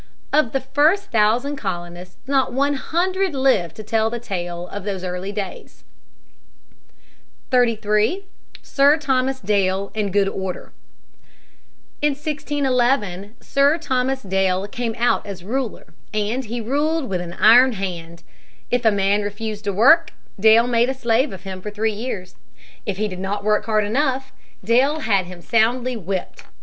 Of the first thousand colonists not one hundred lived to tell the tale of those early days. [Sidenote: Sir Thomas Dale.] [Sidenote: His wise action.] 33. Sir Thomas Dale and Good Order. In 1611 Sir Thomas Dale came out as ruler, and he ruled with an iron hand. If a man refused to work, Dale made a slave of him for three years; if he did not work hard enough, Dale had him soundly whipped.